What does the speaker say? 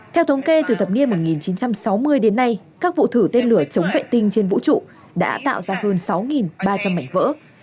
theo thống kê từ thập niên một nghìn chín trăm sáu mươi đến nay các vụ thử tên lửa chống vệ tinh trên vũ trụ đã tạo ra hơn sáu ba trăm linh mảnh vỡ